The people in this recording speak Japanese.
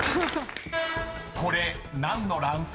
［これ何の卵巣？］